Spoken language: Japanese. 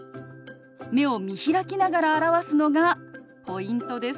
目を見開きながら表すのがポイントです。